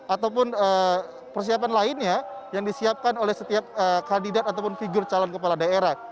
ataupun persiapan lainnya yang disiapkan oleh setiap kandidat ataupun figur calon kepala daerah